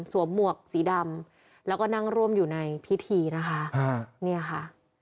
สวมหมวกสีดำแล้วก็นั่งร่วมอยู่ในพิธีนะคะ